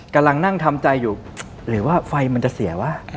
กำลังนั่งทำใจอยู่หรือว่าไฟมันจะเสียวะ